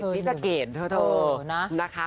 ใช่มิสีสเกดเถอะนะคะ